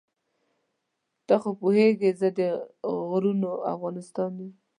ته خو پوهېږې زه د غرونو افغانستان یم.